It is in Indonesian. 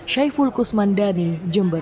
syaiful kusmandani jember